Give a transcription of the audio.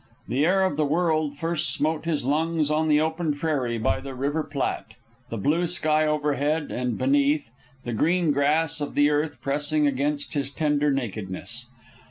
The air of the world first smote his lungs on the open prairie by the River Platte, the blue sky over head, and beneath, the green grass of the earth pressing against his tender nakedness.